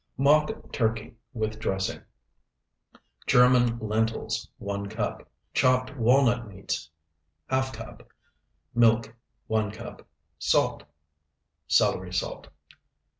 MOCK TURKEY WITH DRESSING German lentils, 1 cup. Chopped walnut meats, ½ cup. Milk, 1 cup. Salt. Celery salt.